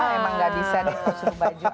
emang gak bisa nih suruh baju alpun deh